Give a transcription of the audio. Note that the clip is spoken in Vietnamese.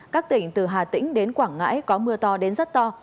các tỉnh từ hà tĩnh đến quảng ngãi có mưa to đến rất to